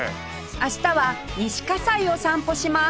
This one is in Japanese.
明日は西西を散歩します